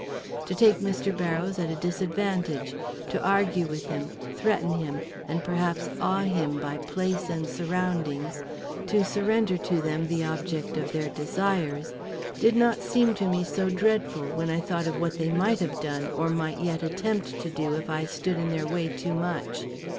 To take Mr. Barrows at a disadvantage, to argue with him, threaten him, and perhaps awe him by place and surroundings to surrender to them the object of their desires, did not seem to me so dreadful, when I thought of what they might have done or might yet attempt to do if I stood in their way too much.